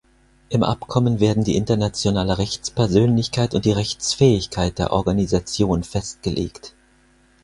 Im Abkommen werden die internationale Rechtspersönlichkeit und die Rechtsfähigkeit der Organisation festgelegt.